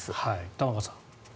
玉川さん。